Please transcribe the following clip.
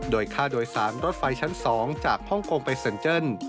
โดยค่าโดยสารรถไฟชั้น๒จากฮ่องกงไปเซ็นเจิ้น